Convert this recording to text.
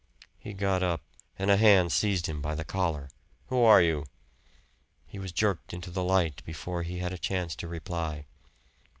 He got up and a hand seized him by the collar. "Who are you?" He was jerked into the light before he had a chance to reply.